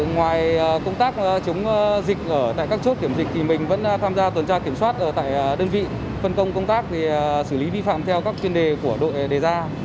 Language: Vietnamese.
ngoài công tác chống dịch ở tại các chốt kiểm dịch thì mình vẫn tham gia tuần tra kiểm soát ở tại đơn vị phân công công tác xử lý vi phạm theo các chuyên đề của đội đề ra